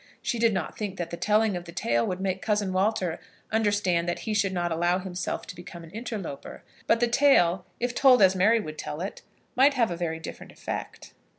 She did think that the telling of the tale would make Cousin Walter understand that he should not allow himself to become an interloper; but the tale, if told as Mary would tell it, might have a very different effect.